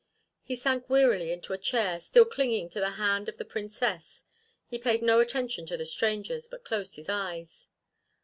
He sank wearily into a chair, still clinging to the hand of the Princess. He paid no attention to the strangers, but closed his eyes.